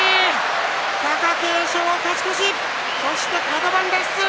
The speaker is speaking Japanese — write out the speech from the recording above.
貴景勝、勝ち越しそしてカド番脱出。